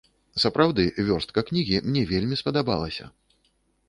Сапраўды, вёрстка кнігі мне вельмі спадабалася.